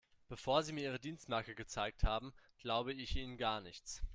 Bevor Sie mir Ihre Dienstmarke gezeigt haben, glaube ich Ihnen gar nichts.